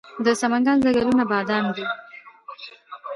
د سمنګان ځنګلونه بادام دي